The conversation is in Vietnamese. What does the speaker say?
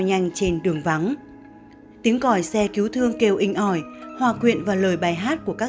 nhanh trên đường vắng tiếng còi xe cứu thương kêu inh ỏi hòa quyện vào lời bài hát của các